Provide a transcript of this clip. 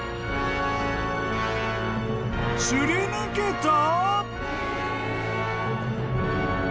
［擦り抜けた！？］